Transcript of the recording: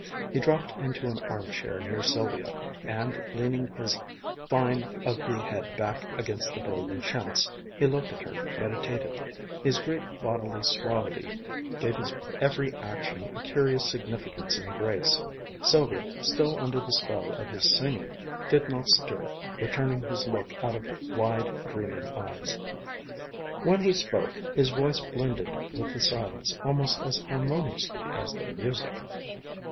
He dropped into an arm chair near Sylvia, and leaning his fine, ugly head back against the brilliant chintz, he looked at her meditatively. His great bodily suavity gave his every action a curious significance and grace. Sylvia, still under the spell of his singing, did not stir, returning his look out of wide, dreaming eyes. When he spoke, his voice blended with the silence almost as harmoniously as the music....